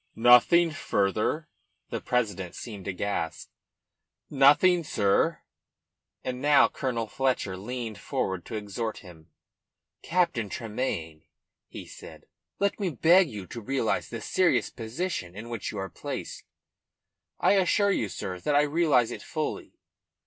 "Nothing further?" The president seemed aghast. "Nothing, sir." And now Colonel Fletcher leaned forward to exhort him. "Captain Tremayne," he said, "let me beg you to realise the serious position in which you are placed." "I assure you, sir, that I realise it fully."